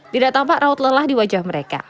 tidak tampak raut lelah di wajah mereka